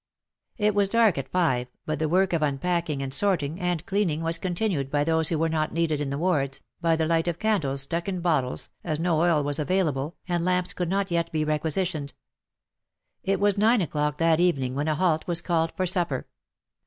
It was dark at five, but the work of unpack ing and sorting and cleaning was continued by those who were not needed in the wards, by the light of candles stuck into bottles, as no oil was available, and lamps could not yet be requisitioned. It was nine o'clock that evening when a halt was called for supper.